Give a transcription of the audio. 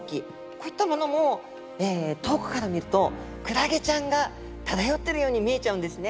こういったものも遠くから見るとクラゲちゃんが漂ってるように見えちゃうんですね。